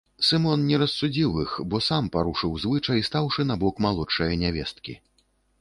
Сымон не рассудзіў іх, бо сам парушыў звычай, стаўшы на бок малодшае нявесткі.